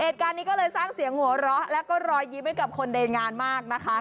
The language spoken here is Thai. เหตุการณ์นี้ก็เลยสร้างเสียงหัวเราะแล้วก็รอยยิ้มให้กับคนในงานมากนะคะ